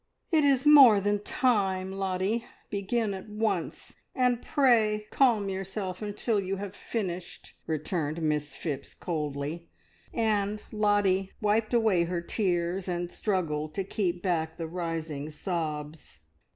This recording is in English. "It is more than time, Lottie. Begin at once, and pray calm yourself until you have finished!" returned Miss Phipps coldly; and Lottie wiped away her tears, and struggled to keep back the rising sobs.